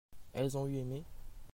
elles ont eu aimé.